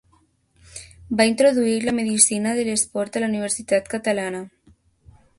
Va introduir la medicina de l’esport a la universitat catalana.